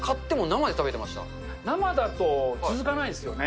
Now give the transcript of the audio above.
生だと続かないですよね。